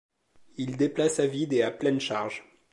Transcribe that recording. Il déplace à vide et à pleine charge.